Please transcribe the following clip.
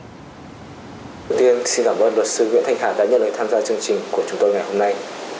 đầu tiên xin cảm ơn luật sư nguyễn thanh hà đã nhận lời tham gia chương trình của chúng tôi ngày hôm nay